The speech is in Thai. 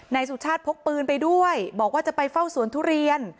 นายสุชาติพกปืนไปด้วยบอกว่าจะไปเฝ้าสวนทุเรียน